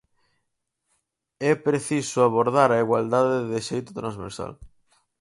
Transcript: É preciso abordar a igualdade de xeito transversal.